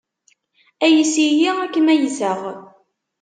Ayes-iyi ad kem-ayseɣ.